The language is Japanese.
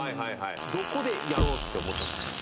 どこでやろうって思ったんすか？